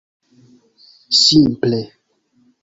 simple